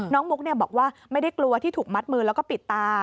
มุกบอกว่าไม่ได้กลัวที่ถูกมัดมือแล้วก็ปิดตา